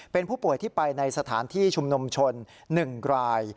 เป็นผู้ป่วยที่ไปในสถานที่ชุมนุมชน๑ราย